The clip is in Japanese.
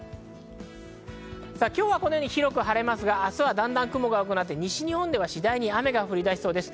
今日は広く晴れますが、明日はだんだん雲が多くなって、西日本では次第に雨が降り出しそうです。